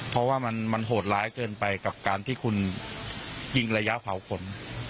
เพราะว่ามันโหดร้ายเกินไปกับการที่คุณยิงระยะเผาขน